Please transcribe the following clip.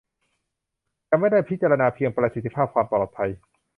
จะไม่ได้พิจารณาเพียงประสิทธิภาพ ความปลอดภัย